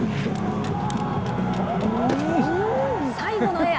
最後のエア。